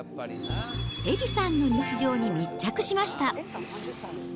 エリさんの日常に密着しました。